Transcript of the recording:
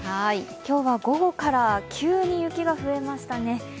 今日は午後から急に雪が増えましたね。